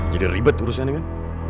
jadi ribet urusin ya nih kan